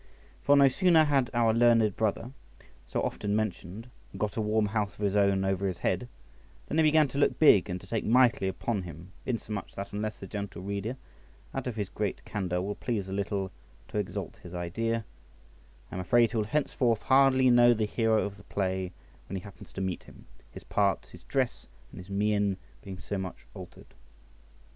For no sooner had our learned brother, so often mentioned, got a warm house of his own over his head, than he began to look big and to take mightily upon him, insomuch that unless the gentle reader out of his great candour will please a little to exalt his idea, I am afraid he will henceforth hardly know the hero of the play when he happens to meet him, his part, his dress, and his mien being so much altered.